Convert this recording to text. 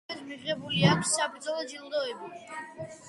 ანდრიას მიღებული აქვს საბრძოლო ჯილდოები.